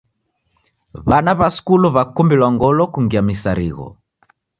W'ana w'a skulu w'akumbilwa ngolo kungia misarigho.